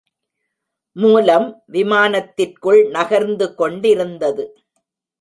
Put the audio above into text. மூலம் விமானத்திற்குள் நகர்ந்து கொண்டிருந்தது.